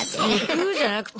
じゃなくて。